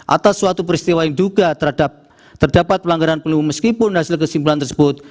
atas suatu peristiwa yang duga terhadap terdapat pelanggaran pemilu meskipun hasil kesimpulan tersebut